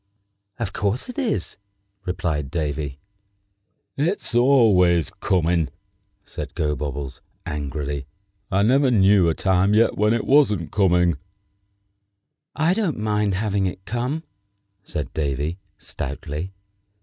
"Of course it is," replied Davy. "It's always coming!" said Gobobbles, angrily; "I never knew a time yet when it wasn't coming!" "I don't mind having it come," said Davy, stoutly.